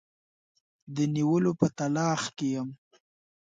د نیولو په تلاښ کې یم.